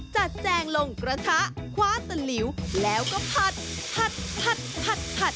จัดแจ้งลงกระทะคว้าสะหนิวแล้วก็ผัดผัดผัดผัด